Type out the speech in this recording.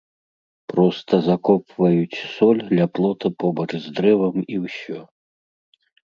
Проста закопваюць соль ля плота побач з дрэвам і ўсё.